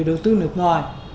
đầu tư nước ngoài